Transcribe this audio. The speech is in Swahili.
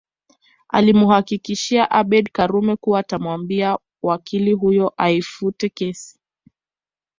Alimuhakikishia Abeid Karume kuwa atamwambia wakili huyo aifute kesi